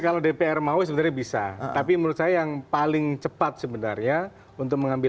kalau dpr mau sebenarnya bisa tapi menurut saya yang paling cepat sebenarnya untuk mengambil